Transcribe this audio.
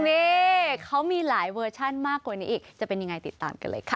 นี่เขามีหลายเวอร์ชั่นมากกว่านี้อีกจะเป็นยังไงติดตามกันเลยค่ะ